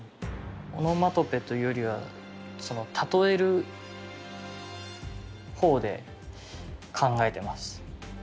オノマトペというよりは例える方で考えてます。